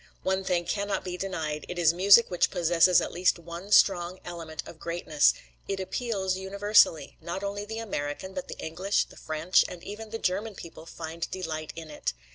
One thing cannot be denied; it is music which possesses at least one strong element of greatness: it appeals universally; not only the American, but the English, the French, and even the German people find delight in it.